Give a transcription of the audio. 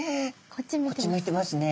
こっち向いてますね。